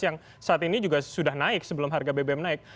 yang saat ini juga sudah naik sebelum harga bbm naik